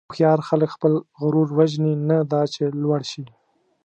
هوښیار خلک خپل غرور وژني، نه دا چې لوړ شي.